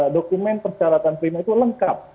dokumen persyaratan prima itu lengkap